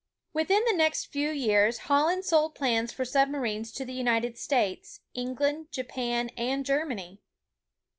Within the next few years Holland sold plans for sub marines to the United States, England, Japan, and Ger many.